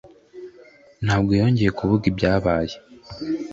Ntabwo yongeye kuvuga ibyabaye.